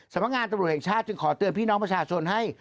สำนักงานตำรวจแห่งชาติจึงขอเตือนพี่น้องประชาชนให้